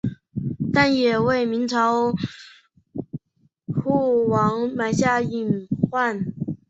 但也为明朝覆亡埋下了隐患。